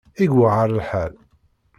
I yewεer lḥal!